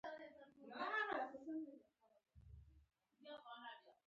هغې وویل محبت یې د خزان په څېر ژور دی.